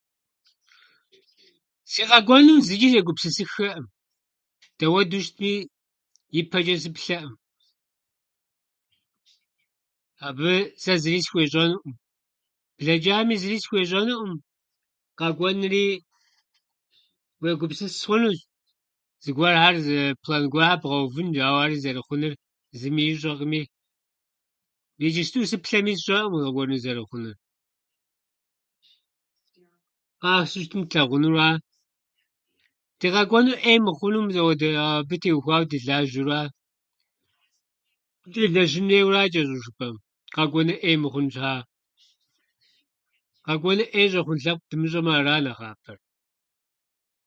Си къэкӏуэнум зычӏи сегупсысыххэкъым. Дэуэдэу щытми, ипэчӏэ сыплъэӏым. Абы сэ зыри схуещӏэнуӏым. Блэчӏами зыри схуещӏэнуӏым, къэкӏуэнри уегупсыс хъунущ. Зыгуэрхьэр, зы план гуэрхьэр бгъэувынущ, ауэ ахьэри зэрыхъунур зыми ищӏэкъыми, иджыпсту сыплъэми, сщӏэӏым а къэкӏуэнур зэрыхъунур. Къапщту щытым тлъэгъунура. Ди къэкӏуэнур ӏей мыхъуну, мис ауэдэ- абы теухуауэ дылажьэу ара. Елэжьын хуейуэ ара чӏэщӏу жыпӏэм, къэкӏуэнур ӏей мыхъун щхьа. Къэкӏуэнур ӏей щӏэхъун лъэпкъ дымыщӏэмэ, ара нэхъапэр.